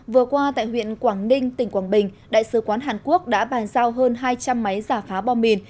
vừa qua tại huyện quảng ninh tỉnh quảng bình đại sứ quán hàn quốc đã bàn giao hơn hai trăm linh máy giả phá bom mìn